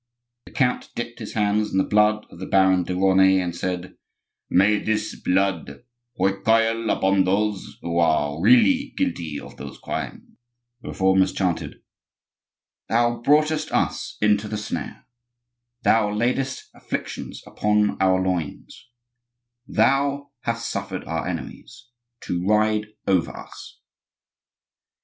The count dipped his hands in the blood of the Baron de Raunay, and said:— "May this blood recoil upon those who are really guilty of those crimes." The Reformers chanted:— "Thou broughtest us into the snare; Thou laidest afflictions upon our loins; Thou hast suffered our enemies To ride over us."